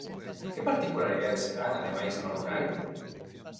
Que particularidades se dan ademais no rural?